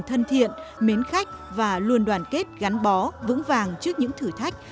thân thiện mến khách và luôn đoàn kết gắn bó vững vàng trước những thử thách